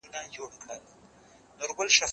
زه له سهاره پلان جوړوم،